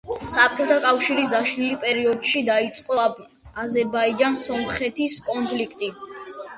საბჭოთა კავშირის დაშლის პერიოდში დაიწყო აზერბაიჯან-სომხეთის კონფლიქტი.